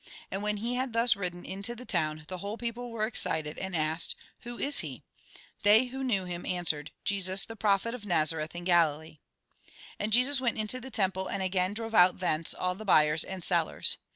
And when he had thus ridden into the town, the whole people were excited, and asked :" Who is he ?" They who knew him answered :" Jesus, the prophet of Nazareth, in Gahlee." And Jesus went into the temple, and again drove out thence all the buyers and sellers.